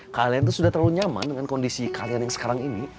kalian itu sudah terlalu nyaman dengan kondisi kalian yang sekarang ini